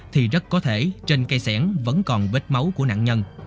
thì rất có thể trên cây sẻng vẫn còn vết máu của nạn nhân